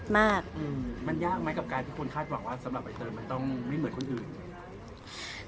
มากมันยากไหมกับการที่คุณคาดหวังว่าสำหรับใบเตยมันต้องไม่เหมือนคนอื่น